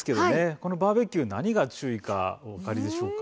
このバーベキュー、何が注意かお分かりでしょうか。